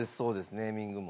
ネーミングも。